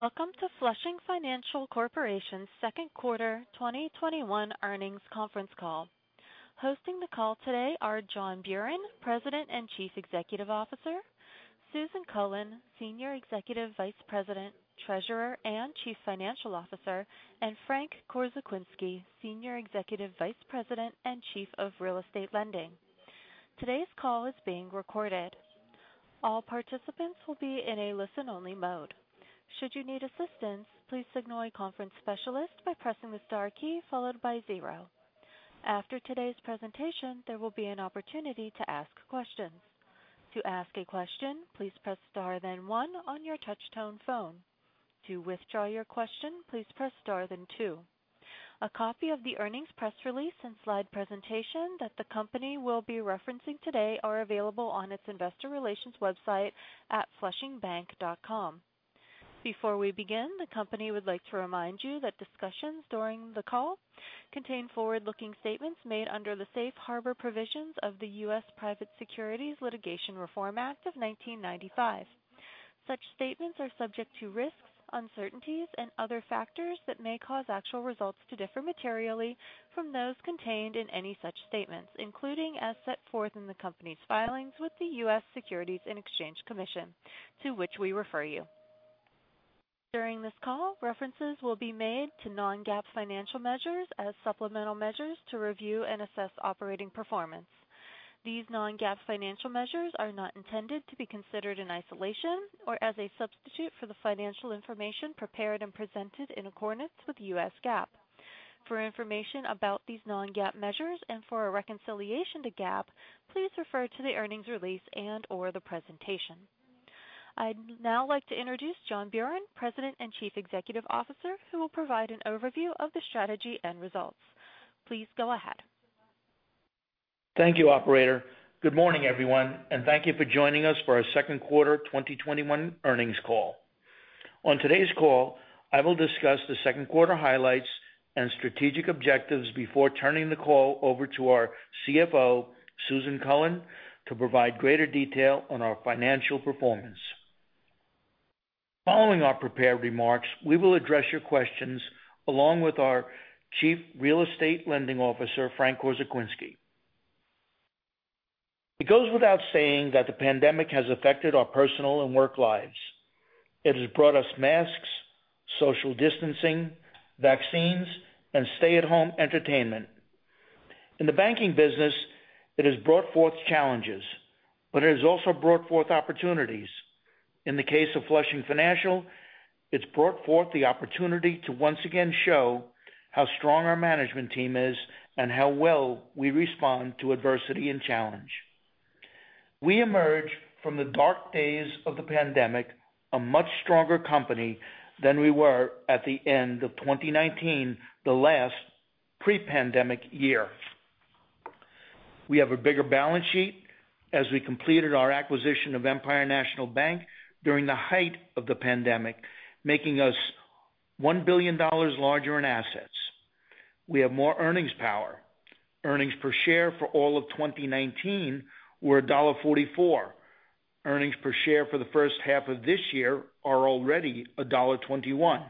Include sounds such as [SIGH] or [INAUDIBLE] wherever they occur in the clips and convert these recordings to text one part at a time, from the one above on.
Welcome to Flushing Financial Corporation's second quarter 2021 earnings conference call. Hosting the call today are John Buran, President and Chief Executive Officer, Susan Cullen, Senior Executive Vice President, Treasurer, and Chief Financial Officer, and Frank Korzekwinski, Senior Executive Vice President and Chief of Real Estate Lending. Today's call is being recorded. All participants will be in a listen-only mode. Should you need assistance, please signal a conference specialist by pressing the star key followed by zero. After today's presentation, there will be an opportunity to ask questions. To ask a question, please press star, then one on your touch-tone phone. To withdraw your question, please press star then two. A copy of the earnings press release and slide presentation that the company will be referencing today are available on its investor relations website at flushingbank.com. Before we begin, the company would like to remind you that discussions during the call contain forward-looking statements made under the safe harbor provisions of the U.S. Private Securities Litigation Reform Act of 1995. Such statements are subject to risks, uncertainties, and other factors that may cause actual results to differ materially from those contained in any such statements, including as set forth in the company's filings with the U.S. Securities and Exchange Commission, to which we refer you. During this call, references will be made to non-GAAP financial measures as supplemental measures to review and assess operating performance. These non-GAAP financial measures are not intended to be considered in isolation or as a substitute for the financial information prepared and presented in accordance with U.S. GAAP. For information about these non-GAAP measures and for a reconciliation to GAAP, please refer to the earnings release and/or the presentation. I'd now like to introduce John Buran, President and Chief Executive Officer, who will provide an overview of the strategy and results. Please go ahead. Thank you, operator. Good morning, everyone, and thank you for joining us for our second quarter 2021 earnings call. On today's call, I will discuss the second quarter highlights and strategic objectives before turning the call over to our CFO, Susan Cullen, to provide greater detail on our financial performance. Following our prepared remarks, we will address your questions along with our Chief Real Estate Lending Officer, Frank Korzekwinski. It goes without saying that the pandemic has affected our personal and work lives. It has brought us masks, social distancing, vaccines, and stay-at-home entertainment. In the banking business, it has brought forth challenges, but it has also brought forth opportunities. In the case of Flushing Financial, it's brought forth the opportunity to once again show how strong our management team is and how well we respond to adversity and challenge. We emerge from the dark days of the pandemic a much stronger company than we were at the end of 2019, the last pre-pandemic year. We have a bigger balance sheet as we completed our acquisition of Empire National Bank during the height of the pandemic, making us $1 billion larger in assets. We have more earnings power. Earnings per share for all of 2019 were $1.44. Earnings per share for the first half of this year are already $1.21.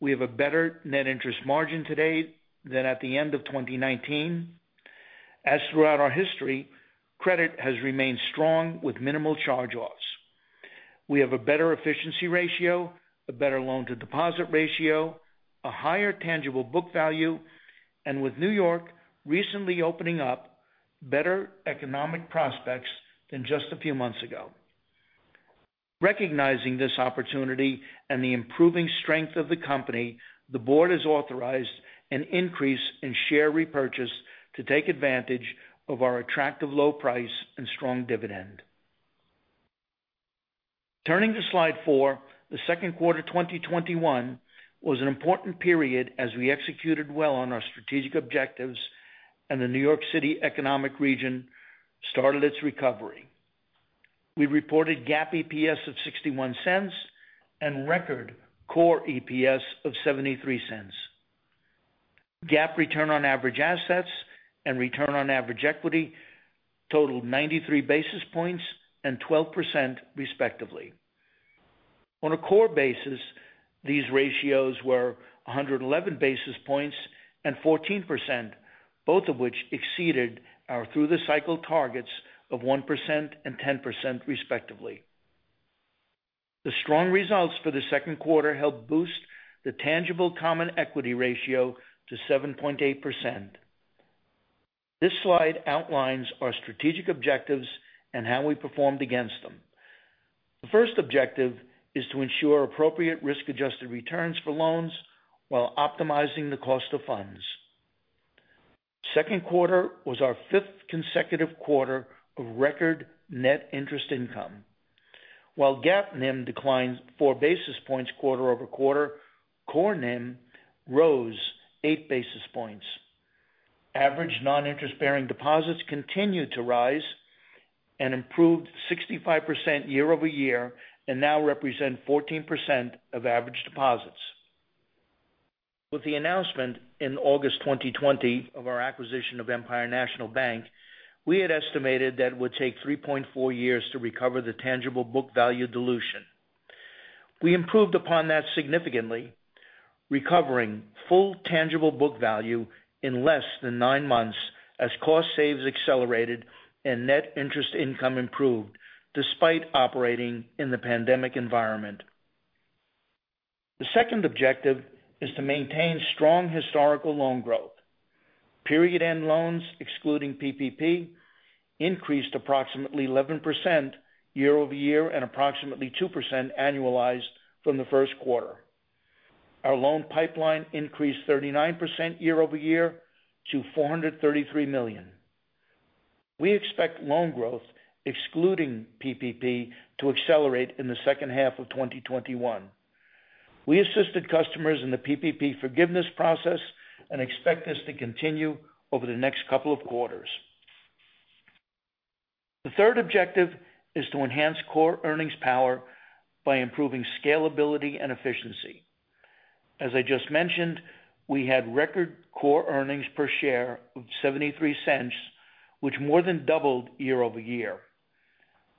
We have a better net interest margin today than at the end of 2019. As throughout our history, credit has remained strong with minimal charge-offs. We have a better efficiency ratio, a better loan-to-deposit ratio, a higher tangible book value, and with New York recently opening up, better economic prospects than just a few months ago. Recognizing this opportunity and the improving strength of the company, the board has authorized an increase in share repurchase to take advantage of our attractive low price and strong dividend. Turning to slide four, the second quarter 2021 was an important period as we executed well on our strategic objectives and the New York City economic region started its recovery. We reported GAAP EPS of $0.61 and record core EPS of $0.73. GAAP return on average assets and return on average equity totaled 93 basis points and 12%, respectively. On a core basis, these ratios were 111 basis points and 14%, both of which exceeded our through-the-cycle targets of 1% and 10%, respectively. The strong results for the second quarter helped boost the tangible common equity ratio to 7.8%. This slide outlines our strategic objectives and how we performed against them. The 1st objective is to ensure appropriate risk-adjusted returns for loans while optimizing the cost of funds. Second quarter was our fifth consecutive quarter of record net interest income. While GAAP NIM declined 4 basis points quarter-over-quarter, core NIM rose 8 basis points. Average non-interest-bearing deposits continued to rise and improved 65% year-over-year and now represent 14% of average deposits. With the announcement in August 2020 of our acquisition of Empire National Bank, we had estimated that it would take 3.4 years to recover the tangible book value dilution. We improved upon that significantly, recovering full tangible book value in less than nine months as cost saves accelerated and net interest income improved despite operating in the pandemic environment. The second objective is to maintain strong historical loan growth. Period end loans, excluding PPP, increased approximately 11% year-over-year and approximately 2% annualized from the first quarter. Our loan pipeline increased 39% year-over-year to $433 million. We expect loan growth, excluding PPP, to accelerate in the second half of 2021. We assisted customers in the PPP forgiveness process and expect this to continue over the next couple of quarters. The third objective is to enhance core earnings power by improving scalability and efficiency. As I just mentioned, we had record core earnings per share of $0.73, which more than doubled year-over-year.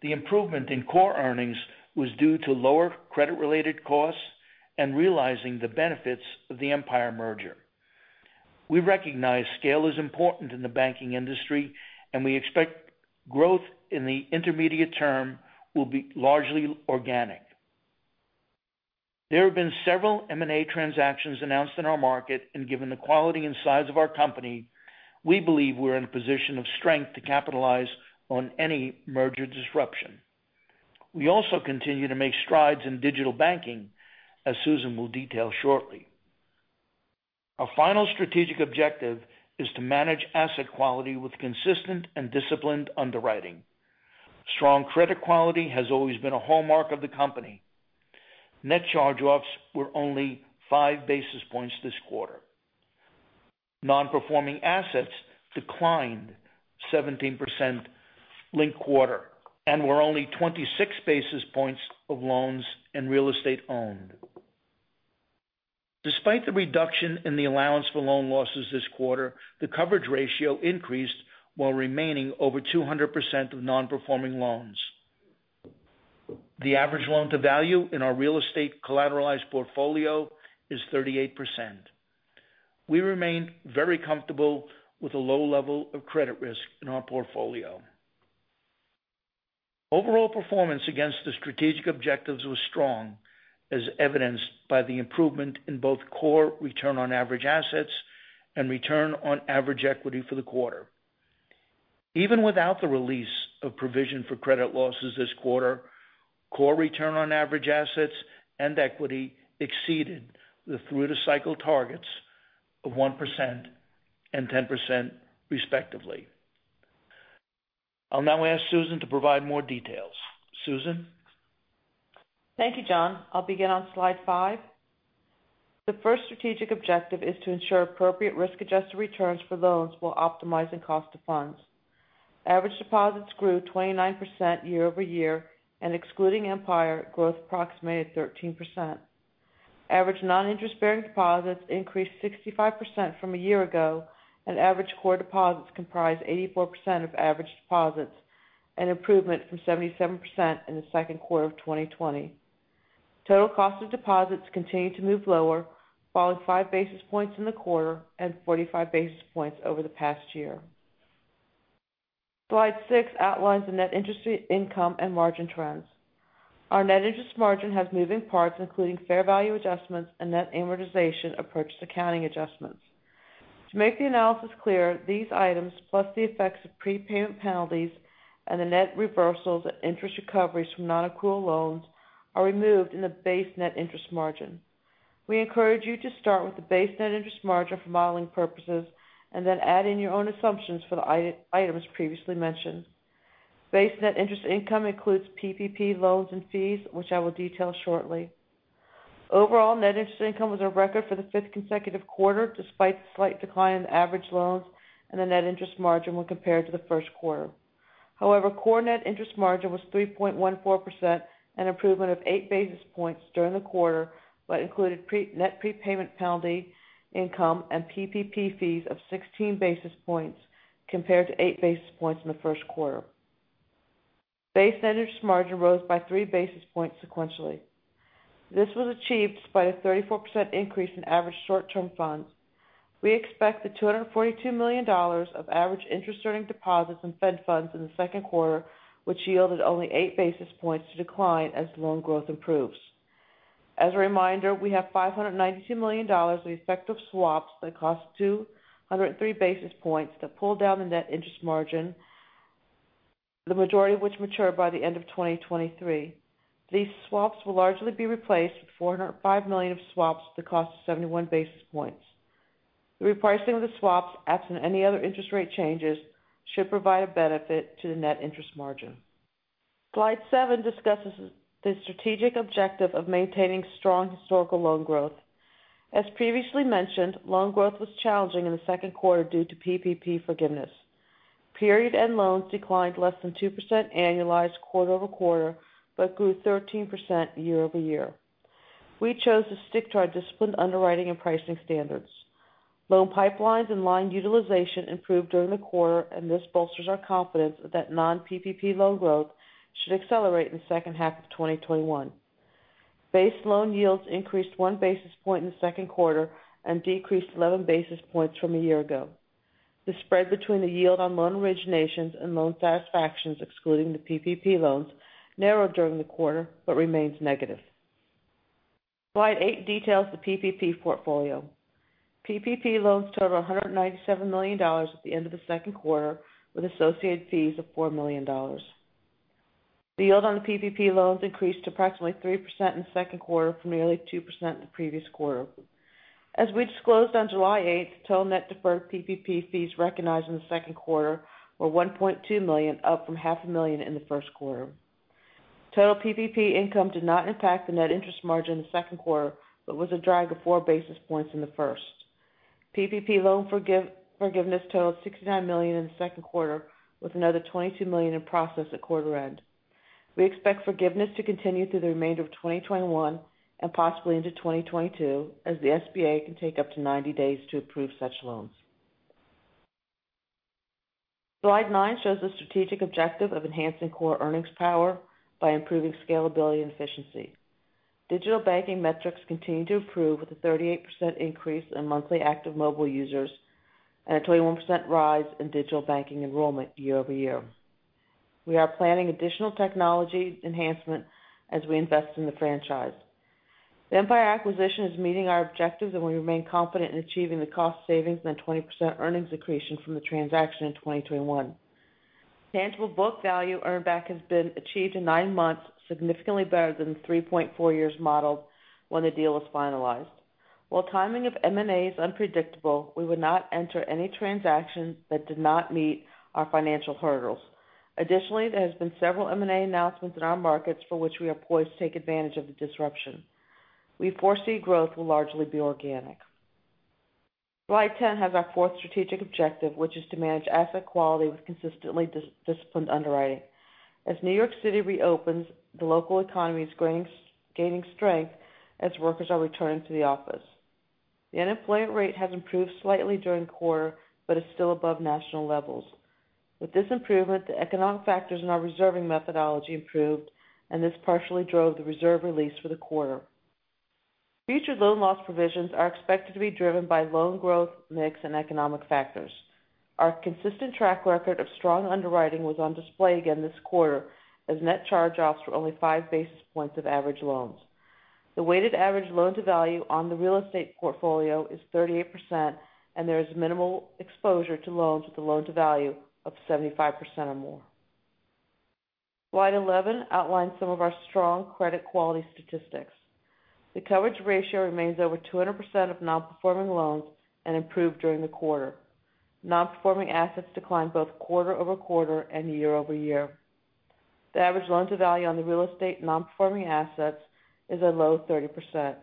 The improvement in core earnings was due to lower credit-related costs and realizing the benefits of the Empire merger. We recognize scale is important in the banking industry, and we expect growth in the intermediate term will be largely organic. There have been several M&A transactions announced in our market, and given the quality and size of our company, we believe we're in a position of strength to capitalize on any merger disruption. We also continue to make strides in digital banking, as Susan will detail shortly. Our final strategic objective is to manage asset quality with consistent and disciplined underwriting. Strong credit quality has always been a hallmark of the company. Net charge-offs were only 5 basis points this quarter. Non-performing assets declined 17% linked quarter and were only 26 basis points of loans and real estate owned. Despite the reduction in the allowance for loan losses this quarter, the coverage ratio increased while remaining over 200% of non-performing loans. The average loan-to-value in our real estate collateralized portfolio is 38%. We remain very comfortable with the low level of credit risk in our portfolio. Overall performance against the strategic objectives was strong, as evidenced by the improvement in both core return on average assets and return on average equity for the quarter. Even without the release of provision for credit losses this quarter, core return on average assets and equity exceeded the through-the-cycle targets of 1% and 10%, respectively. I'll now ask Susan to provide more details. Susan? Thank you, John. I'll begin on slide five. The first strategic objective is to ensure appropriate risk-adjusted returns for loans while optimizing cost of funds. Average deposits grew 29% year-over-year. Excluding Empire, growth approximated 13%. Average non-interest-bearing deposits increased 65% from a year ago. Average core deposits comprise 84% of average deposits, an improvement from 77% in the second quarter of 2020. Total cost of deposits continued to move lower, falling 5 basis points in the quarter and 45 basis points over the past year. Slide six outlines the net interest income and margin trends. Our net interest margin has moving parts, including fair value adjustments and net amortization of purchase accounting adjustments. To make the analysis clear, these items, plus the effects of prepayment penalties and the net reversals and interest recoveries from non-accrual loans, are removed in the base net interest margin. We encourage you to start with the base net interest margin for modeling purposes and add in your own assumptions for the items previously mentioned. Base net interest income includes PPP loans and fees, which I will detail shortly. Overall, net interest income was a record for the fifth consecutive quarter, despite the slight decline in average loans and the net interest margin when compared to the first quarter. Core net interest margin was 3.14%, an improvement of eight basis points during the quarter, but included net prepayment penalty income and PPP fees of 16 basis points compared to 8 basis points in the first quarter. Base net interest margin rose by three basis points sequentially. This was achieved by the 34% increase in average short-term funds. We expect the $242 million of average interest-earning deposits and Fed funds in the second quarter, which yielded only eight basis points to decline as loan growth improves. As a reminder, we have $592 million of effective swaps that cost 203 basis points to pull down the net interest margin, the majority of which mature by the end of 2023. These swaps will largely be replaced with $405 million of swaps that cost 71 basis points. The repricing of the swaps, absent any other interest rate changes, should provide a benefit to the net interest margin. Slide seven discusses the strategic objective of maintaining strong historical loan growth. As previously mentioned, loan growth was challenging in the second quarter due to PPP forgiveness. Period end loans declined less than 2% annualized quarter-over-quarter, but grew 13% year-over-year. We chose to stick to our disciplined underwriting and pricing standards. Loan pipelines and line utilization improved during the quarter, and this bolsters our confidence that non-PPP loan growth should accelerate in the second half of 2021. Base loan yields increased one basis point in the second quarter and decreased 11 basis points from a year ago. The spread between the yield on loan originations and loan satisfactions, excluding the PPP loans, narrowed during the quarter but remains negative. Slide eight details the PPP portfolio. PPP loans totaled $197 million at the end of the second quarter, with associated fees of $4 million. The yield on the PPP loans increased to approximately 3% in the second quarter from nearly 2% in the previous quarter. As we disclosed on July 8th, total net deferred PPP fees recognized in the second quarter were $1.2 million, up from half a million in the first quarter. Total PPP income did not impact the net interest margin in the second quarter but was a drag of 4 basis points in the first. PPP loan forgiveness totaled $69 million in the second quarter, with another $22 million in process at quarter end. We expect forgiveness to continue through the remainder of 2021 and possibly into 2022, as the SBA can take up to 90 days to approve such loans. Slide nine shows the strategic objective of enhancing core earnings power by improving scalability and efficiency. Digital banking metrics continue to improve with a 38% increase in monthly active mobile users and a 21% rise in digital banking enrollment year-over-year. We are planning additional technology enhancement as we invest in the franchise. The Empire acquisition is meeting our objectives, and we remain confident in achieving the cost savings and the 20% earnings accretion from the transaction in 2021. Tangible book value earn back has been achieved in 9 months, significantly better than the 3.4 years modeled when the deal was finalized. While timing of M&A is unpredictable, we would not enter any transaction that did not meet our financial hurdles. Additionally, there has been several M&A announcements in our markets for which we are poised to take advantage of the disruption. We foresee growth will largely be organic. Slide 10 has our fourth strategic objective, which is to manage asset quality with consistently disciplined underwriting. As New York City reopens, the local economy is gaining strength as workers are returning to the office. The unemployment rate has improved slightly during the quarter but is still above national levels. With this improvement, the economic factors in our reserving methodology improved, and this partially drove the reserve release for the quarter. Future loan loss provisions are expected to be driven by loan growth, mix, and economic factors. Our consistent track record of strong underwriting was on display again this quarter, as net charge-offs were only 5 basis points of average loans. The weighted average loan-to-value on the real estate portfolio is 38%, and there is minimal exposure to loans with a loan-to-value of 75% or more. Slide 11 outlines some of our strong credit quality statistics. The coverage ratio remains over 200% of non-performing loans and improved during the quarter. Non-performing assets declined both quarter-over-quarter and year-over-year. The average loan-to-value on the real estate non-performing assets is a low 30%.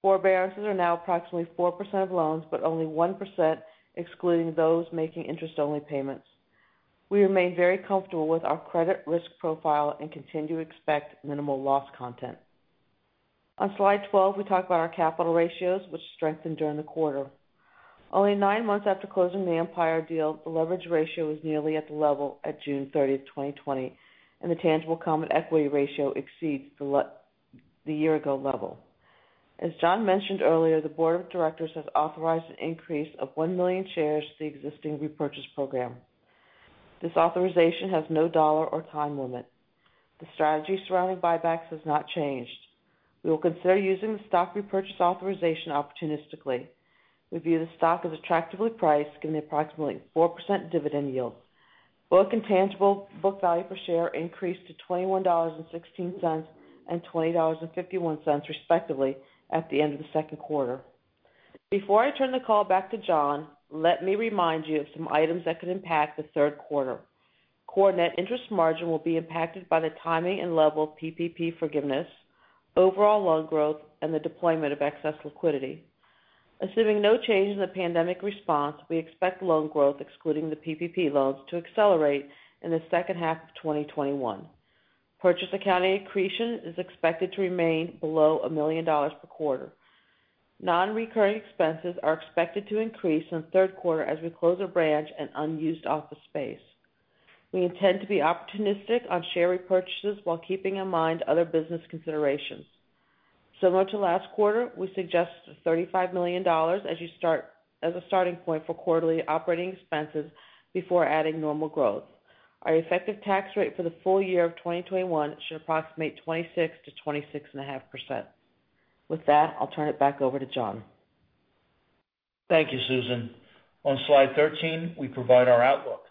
Forbearances are now approximately 4% of loans, but only 1% excluding those making interest-only payments. We remain very comfortable with our credit risk profile and continue to expect minimal loss content. On Slide 12, we talk about our capital ratios, which strengthened during the quarter. Only nine months after closing the Empire deal, the leverage ratio is nearly at the level at June 30, 2020, and the tangible common equity ratio exceeds the year-ago level. As John mentioned earlier, the board of directors has authorized an increase of 1 million shares to the existing repurchase program. This authorization has no dollar or time limit. The strategy surrounding buybacks has not changed. We will consider using the stock repurchase authorization opportunistically. We view the stock as attractively priced, given the approximately 4% dividend yield. Book and tangible book value per share increased to $21.16 and $20.51 respectively at the end of the second quarter. Before I turn the call back to John, let me remind you of some items that could impact the third quarter. Core net interest margin will be impacted by the timing and level of PPP forgiveness, overall loan growth, and the deployment of excess liquidity. Assuming no change in the pandemic response, we expect loan growth, excluding the PPP loans, to accelerate in the second half of 2021. Purchase accounting accretion is expected to remain below $1 million per quarter. Non-recurring expenses are expected to increase in the third quarter as we close a branch and unused office space. We intend to be opportunistic on share repurchases while keeping in mind other business considerations. Similar to last quarter, we suggest $35 million as a starting point for quarterly operating expenses before adding normal growth. Our effective tax rate for the full year of 2021 should approximate 26%-26.5%. With that, I'll turn it back over to John. Thank you, Susan. On slide 13, we provide our outlook.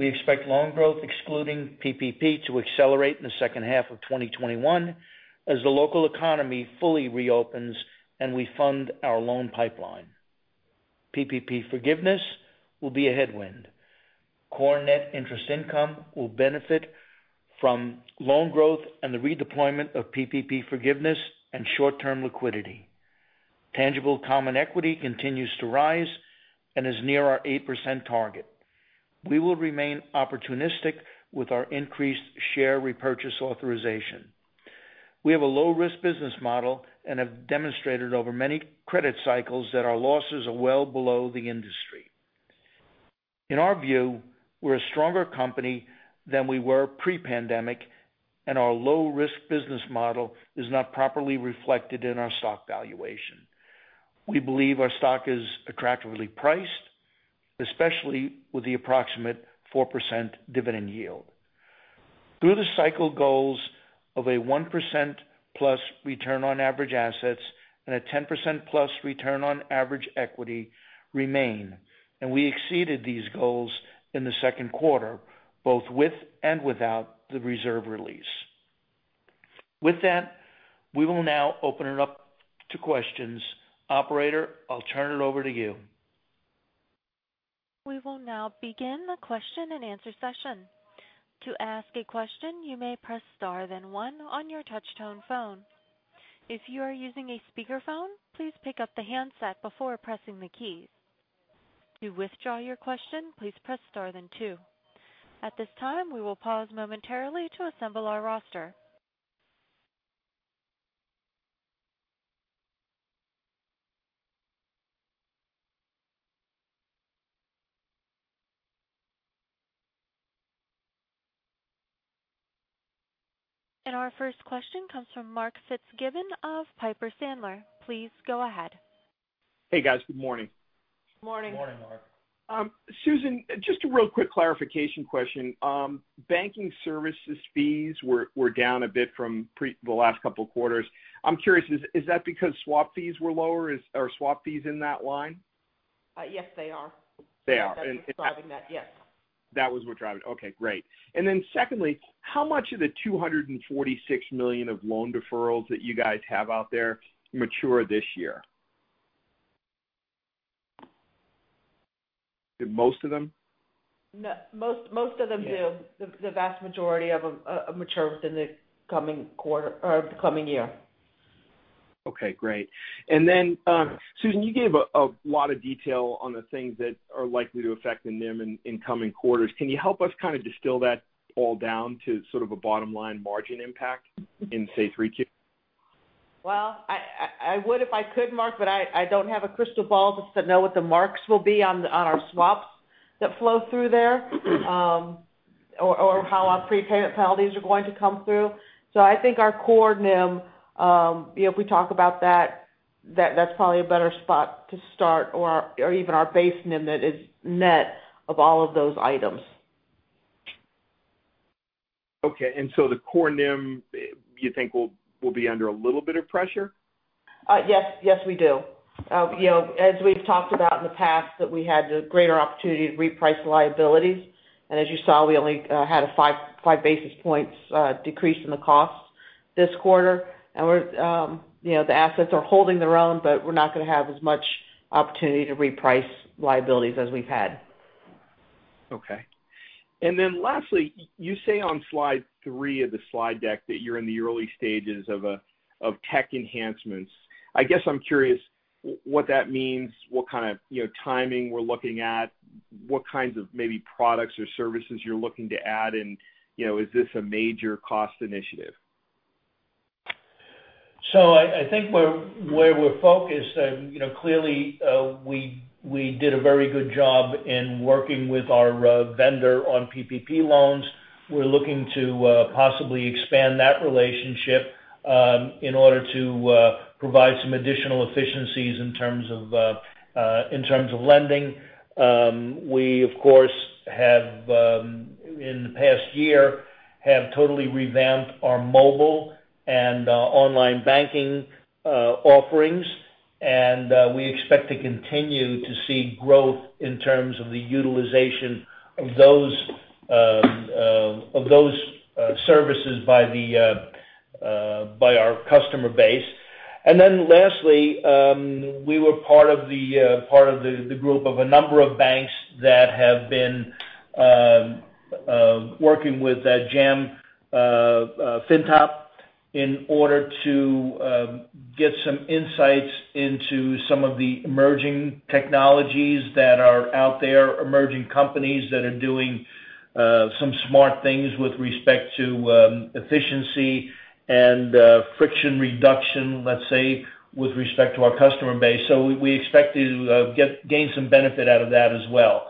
We expect loan growth excluding PPP to accelerate in the second half of 2021 as the local economy fully reopens and we fund our loan pipeline. PPP forgiveness will be a headwind. Core net interest income will benefit from loan growth and the redeployment of PPP forgiveness and short-term liquidity. Tangible common equity continues to rise and is near our 8% target. We will remain opportunistic with our increased share repurchase authorization. We have a low-risk business model and have demonstrated over many credit cycles that our losses are well below the industry. In our view, we're a stronger company than we were pre-pandemic, and our low-risk business model is not properly reflected in our stock valuation. We believe our stock is attractively priced, especially with the approximate 4% dividend yield. Through the cycle goals of a 1%+ return on average assets and a 10%+ return on average equity remain, and we exceeded these goals in the second quarter, both with and without the reserve release. With that, we will now open it up to questions. Operator, I'll turn it over to you. We will now begin the question and answer session. To ask a question, you may press star then one on your touch-tone phone. If you are using a speaker phone, please pick up the handset before pressing the key. You withdraw your question, press star then two. At this time, we will pause momentarily to assemble our roster. Our first question comes from Mark Fitzgibbon of Piper Sandler. Please go ahead. Hey, guys. Good morning. Morning. Morning, Mark. Susan, just a real quick clarification question. Banking services fees were down a bit from the last couple of quarters. I'm curious, is that because swap fees were lower? Are swap fees in that line? Yes, they are. They are. That's what's driving that. Yes. That was what driving it. Okay, great. Secondly, how much of the $246 million of loan deferrals that you guys have out there mature this year? Do most of them? Most of them do. Yeah. The vast majority of them mature within the coming year. Okay, great. Susan, you gave a lot of detail on the things that are likely to affect the NIM in coming quarters. Can you help us kind of distill that all down to sort of a bottom-line margin impact in, say, 3Q? I would if I could, Mark, but I don't have a crystal ball just to know what the marks will be on our swaps that flow through there or how our prepayment penalties are going to come through. I think our core NIM, if we talk about that's probably a better spot to start, or even our base NIM that is net of all of those items. Okay. The core NIM you think will be under a little bit of pressure? Yes. Yes, we do. As we've talked about in the past, that we had the greater opportunity to reprice liabilities. As you saw, we only had a 5 basis points decrease in the costs this quarter. The assets are holding their own, but we're not going to have as much opportunity to reprice liabilities as we've had. Okay. Lastly, you say on slide three of the slide deck that you're in the early stages of tech enhancements. I guess I'm curious what that means, what kind of timing we're looking at, what kinds of maybe products or services you're looking to add in, is this a major cost initiative? I think where we're focused, clearly we did a very good job in working with our vendor on PPP loans. We're looking to possibly expand that relationship in order to provide some additional efficiencies in terms of lending. We, of course, in the past year, have totally revamped our mobile and online banking offerings, and we expect to continue to see growth in terms of the utilization of those services by our customer base. Lastly, we were part of the group of a number of banks that have been working with JAM FINTOP in order to get some insights into some of the emerging technologies that are out there, emerging companies that are doing some smart things with respect to efficiency and friction reduction, let's say, with respect to our customer base. We expect to gain some benefit out of that as well.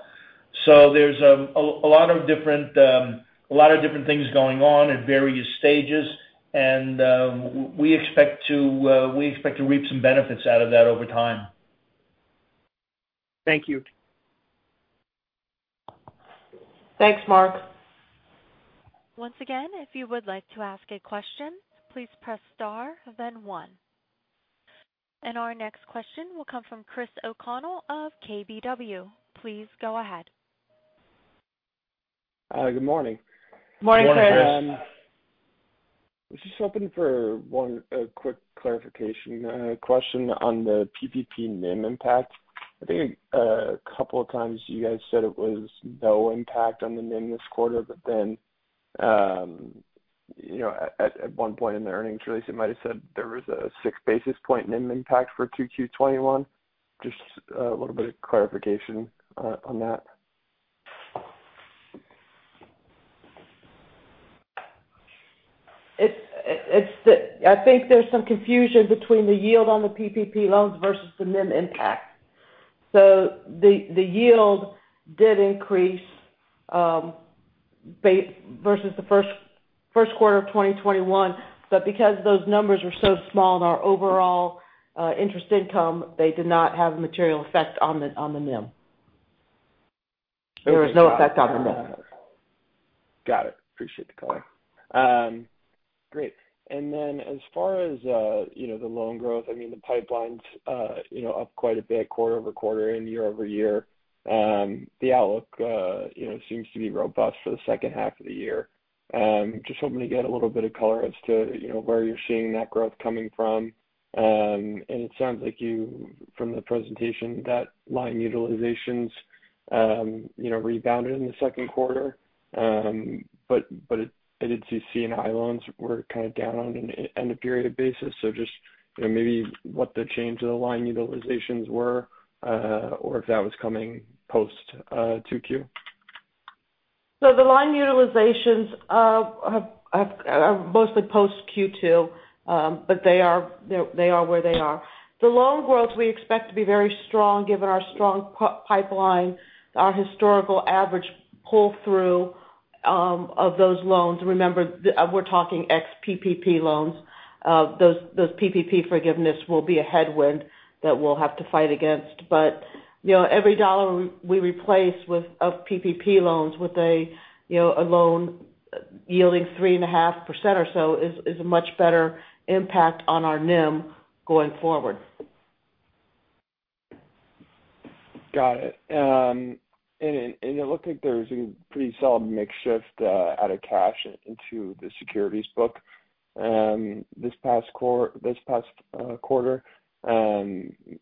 There's a lot of different things going on at various stages, and we expect to reap some benefits out of that over time. Thank you. Thanks, Mark. Once again, if you would like to ask a question, please press star, then one. Our next question will come from Chris O'Connell of KBW. Please go ahead. Good morning. Morning, Chris. Morning. I was just hoping for one quick clarification question on the PPP NIM impact. I think a couple of times you guys said it was no impact on the NIM this quarter. At one point in the earnings release, it might've said there was a 6 basis point NIM impact for 2Q 2021. Just a little bit of clarification on that. I think there's some confusion between the yield on the PPP loans versus the NIM impact. The yield did increase versus the first quarter of 2021, but because those numbers were so small in our overall interest income, they did not have a material effect on the NIM. There was no effect on the NIM. Got it. Appreciate the color. Great. As far as the loan growth, the pipeline's up quite a bit quarter-over-quarter and year-over-year. The outlook seems to be robust for the second half of the year. Just hoping to get a little bit of color as to where you're seeing that growth coming from. It sounds like you, from the presentation, that line utilizations rebounded in the second quarter. I did see C&I loans were kind of down on an end-of-period basis. Just maybe what the change of the line utilizations were, or if that was coming post 2Q. The line utilizations are mostly post Q2. They are where they are. The loan growth we expect to be very strong given our strong pipeline, our historical average pull-through of those loans. Remember, we're talking ex-PPP loans. Those PPP forgiveness will be a headwind that we'll have to fight against. Every dollar we replace of PPP loans with a loan yielding 3.5% or so is a much better impact on our NIM going forward. Got it. It looked like there was a pretty solid mix shift out of cash into the securities book this past quarter.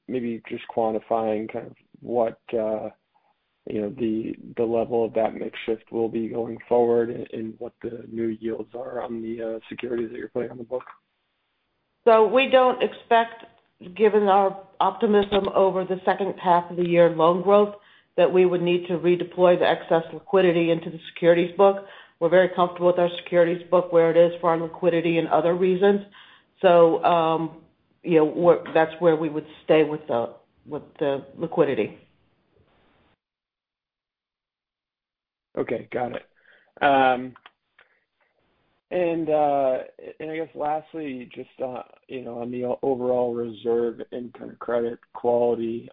Maybe just quantifying what the level of that mix shift will be going forward and what the new yields are on the securities that you're putting on the book. We don't expect, given our optimism over the second half of the year loan growth, that we would need to redeploy the excess liquidity into the securities book. We're very comfortable with our securities book where it is for our liquidity and other reasons. That's where we would stay with the liquidity. Okay. Got it. I guess lastly, just on the overall reserve and credit quality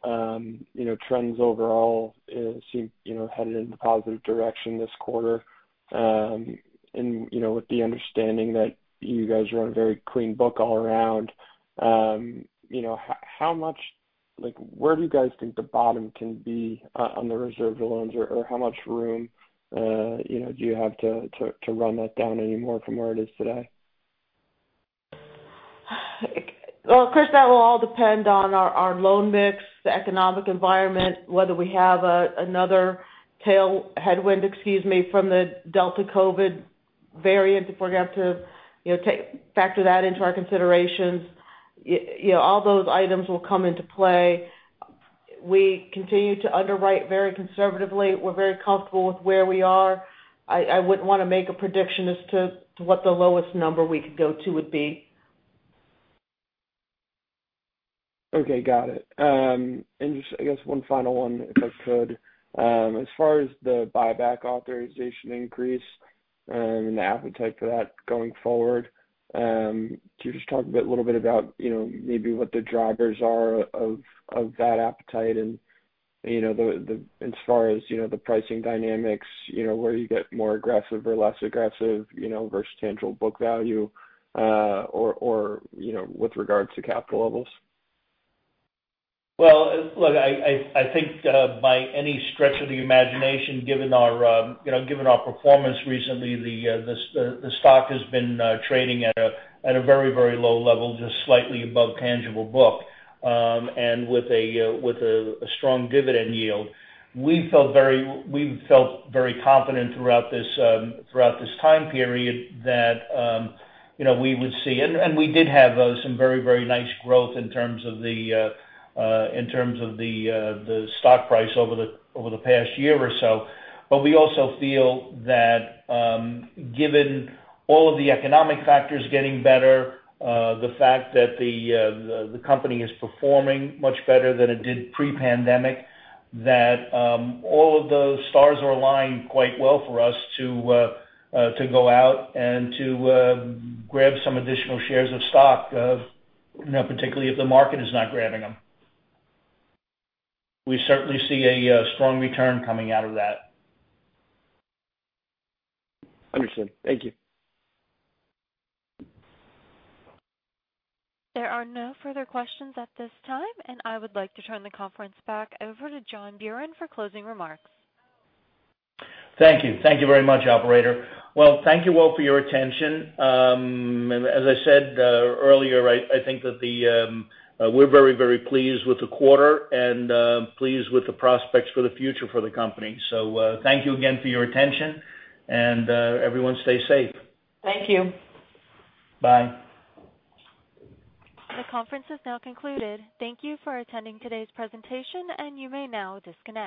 trends overall, it seemed headed in the positive direction this quarter. With the understanding that you guys run a very clean book all around, where do you guys think the bottom can be on the reserve? [INAUDIBLE] How much room do you have to run that down any more from where it is today? Well, Chris, that will all depend on our loan mix, the economic environment, whether we have another headwind, excuse me, from the Delta COVID variant, if we're going to have to factor that into our considerations. All those items will come into play. We continue to underwrite very conservatively. We're very comfortable with where we are. I wouldn't want to make a prediction as to what the lowest number we could go to would be. Okay, got it. Just, I guess one final one, if I could. As far as the buyback authorization increase and the appetite for that going forward, could you just talk a little bit about maybe what the drivers are of that appetite and as far as the pricing dynamics, where you get more aggressive or less aggressive versus tangible book value, or with regard to capital levels? Look, I think by any stretch of the imagination, given our performance recently, the stock has been trading at a very low level, just slightly above tangible book. With a strong dividend yield. We felt very confident throughout this time period that we would see, and we did have some very nice growth in terms of the stock price over the past year or so. We also feel that given all of the economic factors getting better, the fact that the company is performing much better than it did pre-pandemic, that all of those stars are aligned quite well for us to go out and to grab some additional shares of stock, particularly if the market is not grabbing them. We certainly see a strong return coming out of that. Understood. Thank you. There are no further questions at this time, and I would like to turn the conference back over to John Buran for closing remarks. Thank you. Thank you very much, operator. Well, thank you all for your attention. As I said earlier, I think that we're very pleased with the quarter and pleased with the prospects for the future for the company. Thank you again for your attention, and everyone stay safe. Thank you. Bye. The conference is now concluded. Thank you for attending today's presentation, and you may now disconnect.